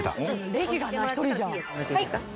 レジがな１人じゃ。